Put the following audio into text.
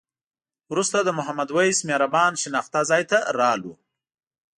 وروسته د محمد وېس مهربان شناخته ځای ته راغلو.